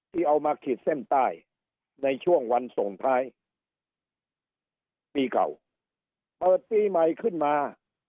ที่เอามาขีดเส้นใต้ในช่วงวันส่งท้ายปีเก่าเปิดปีใหม่ขึ้นมา